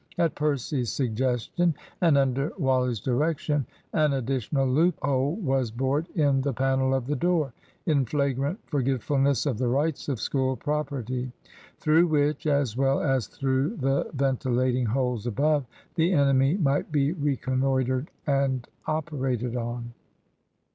At Percy's suggestion, and under Wally's direction, an additional loophole was bored in the panel of the door (in flagrant forgetfulness of the rights of School property), through which, as well as through the ventilating holes above, the enemy might be reconnoitred and operated on.